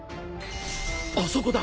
あそこだ。